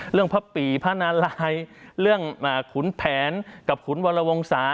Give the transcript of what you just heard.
พระปี่พระนารายเรื่องขุนแผนกับขุนวรวงศา